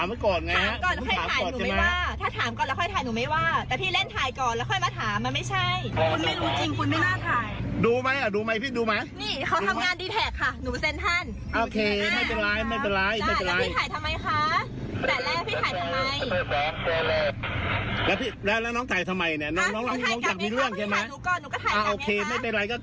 ไปดูภาพนี้กันหน่อยค่ะ